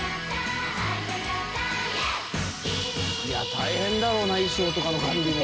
大変だろうな衣装とかの管理も。